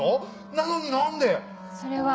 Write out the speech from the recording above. なのに何で⁉それは。